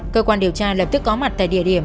cơ quan điều tra lập tức có mặt tại địa điểm